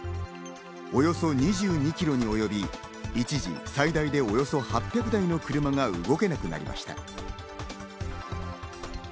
およそ２２キロに及び、一時、最大でおよそ８００台の車が動けなくなりました。